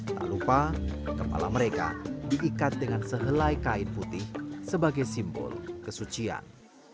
tak lupa kepala mereka diikat dengan sehelai kain putih sebagai simbol kesucian